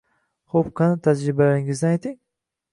— Xo‘p, qani, tajribalaringizni ayting?